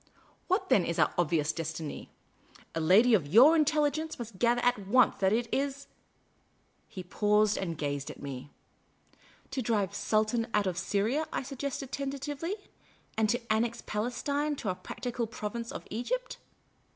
What then is our obvious destiny ? A lady of your intelligence must gather at once that it is ?" He paused and gazed at me. " To drive the Sultan out of Syria," I suggested tenta tively, " and to annex Palestine to our practical province of Egypt?"